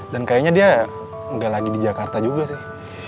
dan kayaknya dia nggak lagi di jakarta juga sih